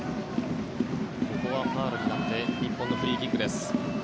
ここはファウルになって日本のフリーキックです。